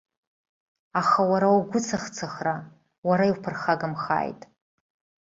Аха уара угәыцыхцыхра, уара иуԥырхагамхааит.